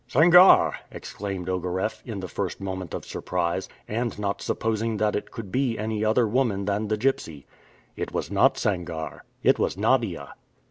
"Sangarre!" exclaimed Ogareff, in the first moment of surprise, and not supposing that it could be any other woman than the gypsy. It was not Sangarre; it was Nadia!